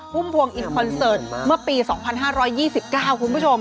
พุ่มพวงอินคอนเสิร์ตเมื่อปี๒๕๒๙คุณผู้ชม